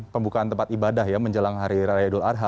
pembukaan tempat ibadah ya menjelang hari raya idul adha